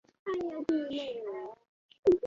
王华人。